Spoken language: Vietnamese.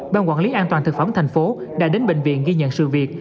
ban quản lý an toàn thực phẩm thành phố đã đến bệnh viện ghi nhận sự việc